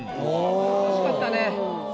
惜しかったね。